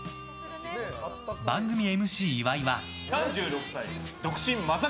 番組ＭＣ岩井は。